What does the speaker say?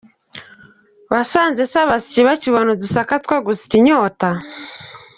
Wasanze se abasyi bakibona udusaka two gusya inyota?